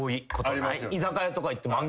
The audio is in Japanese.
居酒屋とか行っても。